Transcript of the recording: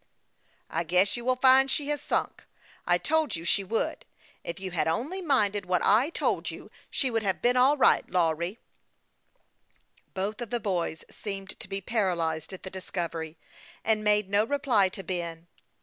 " I guess you will find she has sunk. I told you she would. If you had only minded what I told you, she would have been all right, Lawry." Both of the boys seemed to be paralyzed at the discovery, and made no reply to Ben.